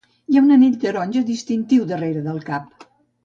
Hi ha un anell taronja distintiu darrera del cap.